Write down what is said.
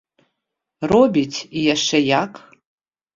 Робіць, і яшчэ як!